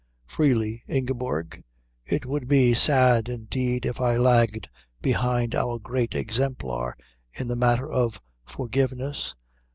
"Freely, Ingeborg. It would be sad indeed if I lagged behind our Great Exemplar in the matter of forgiveness."